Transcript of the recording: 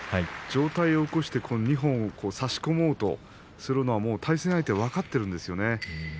上体を起こして二本差し込もうとするのは対戦相手は分かっているんですね。